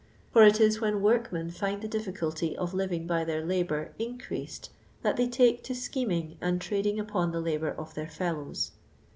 For it is when work men find the difficulty of living by their labour increased that they take to scheming and trading upon the hibour of their fellows.